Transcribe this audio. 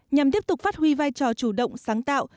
nhằm tiếp tục phát huy vai trò chủ động sáng tạo